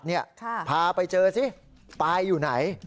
คือนายปัดพาไปเจอสิปายอยู่ไหน